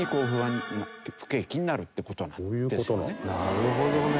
なるほどね。